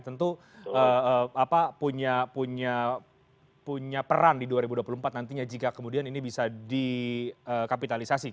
tentu punya peran di dua ribu dua puluh empat nantinya jika kemudian ini bisa dikapitalisasi